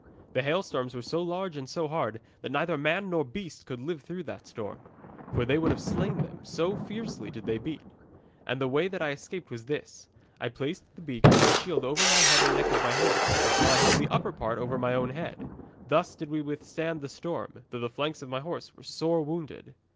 The hailstones were so large and so hard that neither man nor beast could live through that storm, for they would have slain them, so fiercely did they beat. And the way that I escaped was this. I placed the beak of my shield over the head and neck of my horse, while I held the upper part over my own head. Thus did we withstand the storm, though the flanks of my horse were sore wounded.